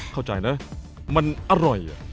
เข้าใจนะมันอร่อย